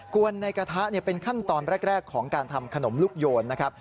วนในกระทะเป็นขั้นตอนแรกของการทำขนมลูกโยนนะครับ